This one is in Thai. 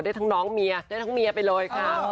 ได้ทั้งน้องเมียได้ทั้งเมียไปเลยค่ะ